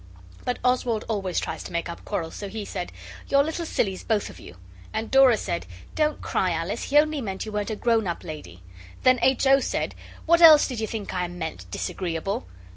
But Oswald always tries to make up quarrels, so he said 'You're little sillies, both of you!' And Dora said, 'Don't cry, Alice; he only meant you weren't a grown up lady.' Then H. O. said, 'What else did you think I meant, Disagreeable?